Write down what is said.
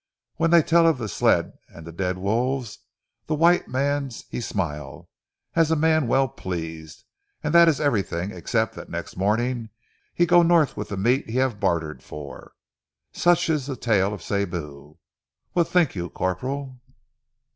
When they tell of ze sled and ze dead wolves, ze white mans he smile as a man well pleased; an' dat is everything, except dat next morning he go north with ze meat he hav' bartered for. Such is ze tale of Sibou. What tink you, corporal?"